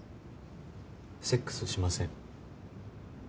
セックスしません。